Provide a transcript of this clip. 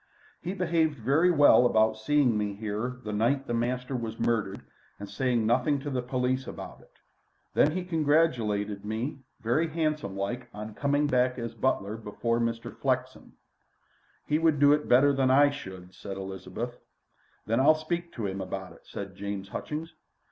"He behaved very well about seeing me here the night the master was murdered and saying nothing to the police about it. An' then he congratulated me very handsomelike on coming back as butler before Mr. Flexen." "He would do it better than I should," said Elizabeth. "Then I'll speak to him about it," said James Hutchings.